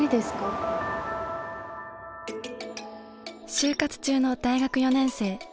就活中の大学４年生。